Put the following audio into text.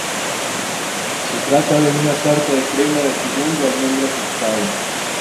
Se trata de una tarta de crema de turrón de almendra tostado.